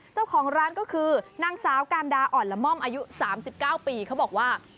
เจ้าของร้านก็คือนางสาวการดาอ่อนละม่อมอายุ๓๙ปีเขาบอกว่า